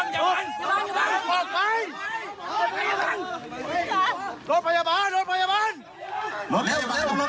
จ้าบัง